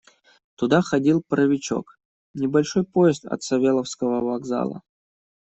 Туда ходил паровичок — небольшой поезд от Савеловского вокзала.